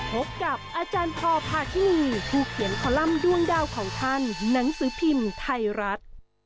พบกับอาจารย์พอพาทินีผู้เขียนคอลัมป์ด้วงดาวของท่านหนังสือพิมพ์ไทยรัฐ